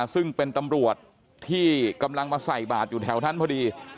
ซึ่งเป็นตำรวจที่กำลังมาใส่บาทอยู่แถวนั้นพอดี